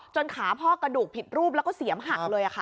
ขาพ่อกระดูกผิดรูปแล้วก็เสียมหักเลยค่ะ